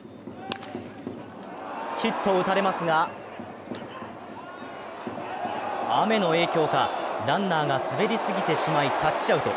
ヒットを打たれますが雨の影響か、ランナーが滑りすぎてしまい、タッチアウト。